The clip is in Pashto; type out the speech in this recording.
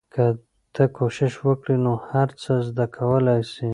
که ته کوشش وکړې نو هر څه زده کولای سې.